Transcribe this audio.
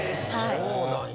そうなんや。